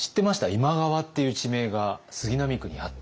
今川っていう地名が杉並区にあった。